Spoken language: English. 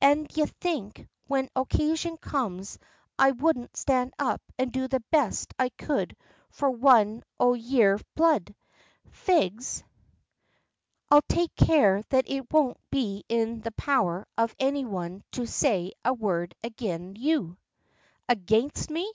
An' d'ye think when occasion comes I wouldn't stand up an' do the best I could for one o' yer blood? Fegs, I'll take care that it won't be in the power of any one to say a word agin you." "Against me?"